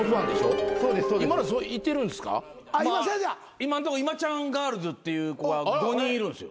今んとこ今ちゃんガールズっていう子が５人いるんすよ。